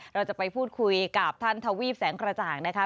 เราจะไปพูดคุยกับท่านทวีปแสงกระจ่างนะคะ